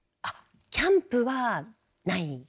あっキャンプはない。